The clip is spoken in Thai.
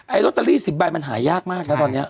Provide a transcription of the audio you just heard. ลอตเตอรี่๑๐ใบมันหายากมากนะตอนนี้